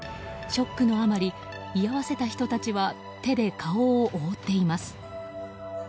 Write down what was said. ショックのあまり居合わせた人たちは手で顔を覆っています。